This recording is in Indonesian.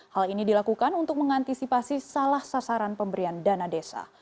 hal ini dilakukan untuk mengantisipasi salah sasaran pemberian dana desa